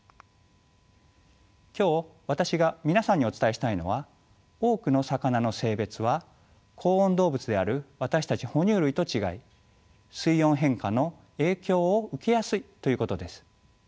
今日私が皆さんにお伝えしたいのは多くの魚の性別は恒温動物である私たち哺乳類と違い水温変化の影響を受けやすいということです。